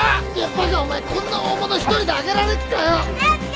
バカお前こんな大物一人であげられっかよ！